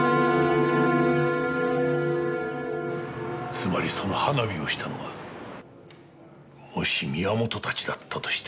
つまりその花火をしたのがもし宮本たちだったとしたら。